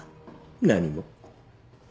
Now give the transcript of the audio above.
何も。